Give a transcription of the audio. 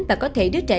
và có thể đứa trẻ sẽ đi